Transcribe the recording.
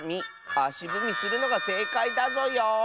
あしぶみするのがせいかいだぞよ。